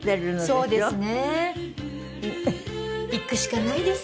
そうですね。